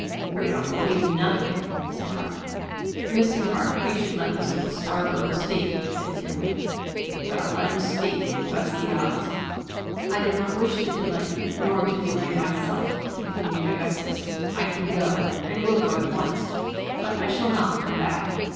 "We don't believe nothing," said Hart. "Mr. Hart, you should let Mr. Scarborough speak," said Tyrrwhit. "Vell, let 'im speak. Vat's the odds?" "I do not wish to delay you, nor to delay myself," continued Augustus. "I can go, and will go, at once. But I shall not come back.